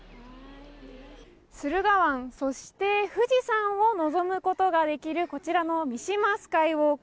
駿河湾、そして富士山を望むことができるこちらの三島スカイウォーク。